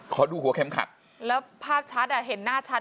ขอดูหัวเข็มขัดแล้วภาพชัดอ่ะเห็นหน้าชัด